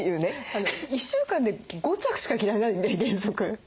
１週間で５着しか着られないんで原則。